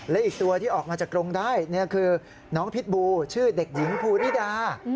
และอีกตัวที่ออกมาจากกรงได้คือน้องพิษบูชื่อเด็กหญิงภูริดา